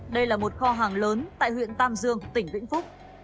đây là một kho hàng lớn tại huyện tam dương tỉnh vĩnh phúc